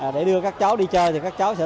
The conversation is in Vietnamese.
để đưa các cháu đi chơi thì các cháu sẽ